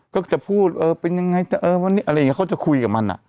ก็จะพูดเออเป็นยังไงเอออะไรอย่างนี้เค้าจะคุยกับมันอ่ะ